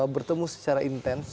bertemu secara intens